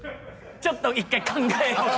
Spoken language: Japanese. ちょっと一回考えようか。